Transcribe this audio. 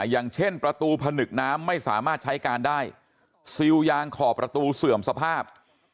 อย่างเช่นประตูผนึกน้ำไม่สามารถใช้การได้ซิลยางขอบประตูเสื่อมสภาพ